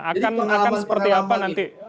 akan seperti apa nanti